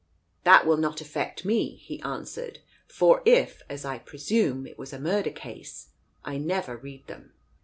"That will not affect me," he answered, "for if, as I presume, it was a murder case, I never read them."